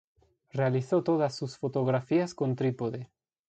Realizó todas sus fotografías con trípode.